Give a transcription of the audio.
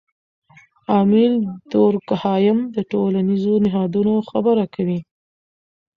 امیل دورکهایم د ټولنیزو نهادونو خبره کوي.